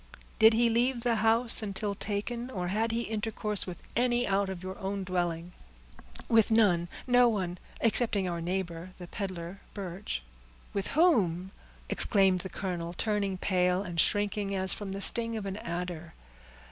"Did he leave the house until taken, or had he intercourse with any out of your own dwelling?" "With none—no one, excepting our neighbor, the peddler Birch." "With whom!" exclaimed the colonel, turning pale, and shrinking as from the sting of an adder.